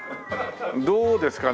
どうですかね？